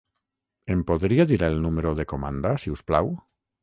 Em podria dir el número de comanda si us plau?